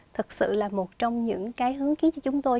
thật sự là một trong những cái hướng ký cho chúng tôi